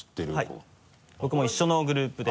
はい僕も一緒のグループで。